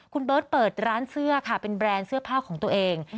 คุณเบิร์ตเปิดร้านเสื้อค่ะเป็นแบรนด์เสื้อผ้าของตัวเอง